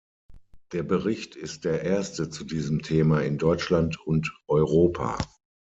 Der Bericht ist der erste zu diesem Thema in Deutschland und Europa.